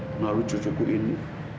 menaruh cucuku ini